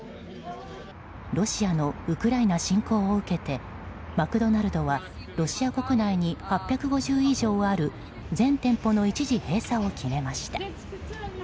ロシアのウクライナ侵攻を受けてマクドナルドはロシア国内に８５０以上ある全店舗の一時閉鎖を決めました。